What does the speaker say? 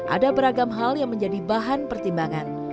ada beragam hal yang menjadi bahan pertimbangan